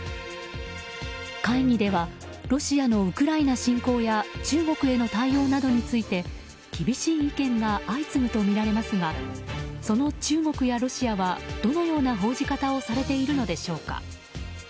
会議ではロシアのウクライナ侵攻や中国への対応などについて厳しい意見が相次ぐとみられますがその中国やロシアはどのような報じ方をされているのでしょうか。